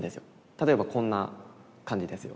例えばこんな感じですよ。